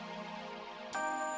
gigi bagus satu hari